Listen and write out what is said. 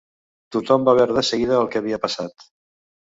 Tothom va veure de seguida el què havia passat.